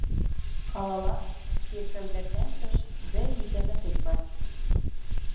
Ҡалала, сиркәүҙәрҙән тыш, бер нисә мәсет бар.